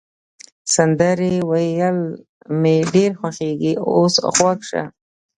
سندرې ویل مي ډېر خوښیږي، اوس غوږ شه.